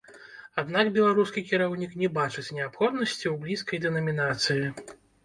Аднак беларускі кіраўнік не бачыць неабходнасці ў блізкай дэнамінацыі.